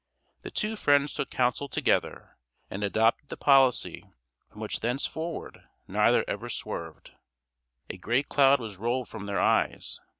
The two friends took counsel together, and adopted the policy from which thenceforward neither ever swerved. A great cloud was rolled from their eyes.